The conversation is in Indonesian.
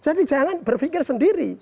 jadi mereka berpikir sendiri